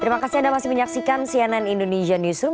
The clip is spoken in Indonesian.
terima kasih anda masih menyaksikan cnn indonesian newsroom